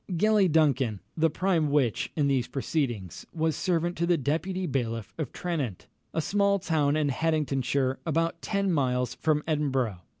Gellie Duncan, the prime witch in these proceedings, was servant to the deputy bailiff of Tranent, a small town in Haddingtonshire, about ten miles from Edinburgh.